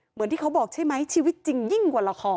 เหมือนที่เขาบอกใช่ไหมชีวิตจริงยิ่งกว่าละคร